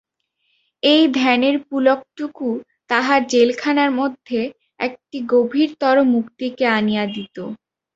এই ধ্যানের পুলকটুকু তাহার জেলখানার মধ্যে একটি গভীরতর মুক্তিকে আনিয়া দিত।